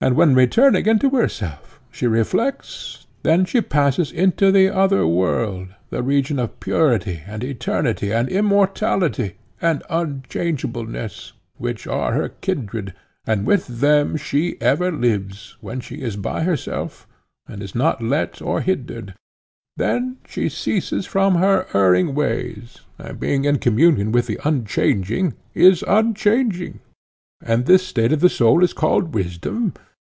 But when returning into herself she reflects, then she passes into the other world, the region of purity, and eternity, and immortality, and unchangeableness, which are her kindred, and with them she ever lives, when she is by herself and is not let or hindered; then she ceases from her erring ways, and being in communion with the unchanging is unchanging. And this state of the soul is called wisdom?